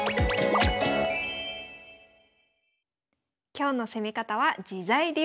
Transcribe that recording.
今日の攻め方は自在流。